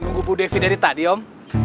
tunggu bu devi dari tadi om